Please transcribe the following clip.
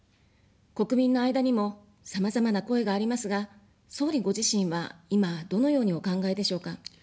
国民の間にも、さまざまな声がありますが、総理ご自身は今どのようにお考えでしょうか。